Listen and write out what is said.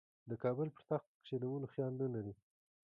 د کابل پر تخت کښېنولو خیال نه لري.